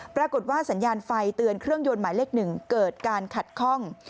ปรากฏว่าสัญญาณไฟเตือนเครื่องยนต์หมายเลข๑เกิดการขัดข้อง